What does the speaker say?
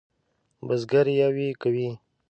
بزگر یویې کوي.